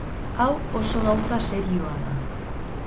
Hau oso gauza serioa da.